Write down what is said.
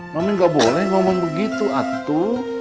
mama gak boleh ngomong begitu atu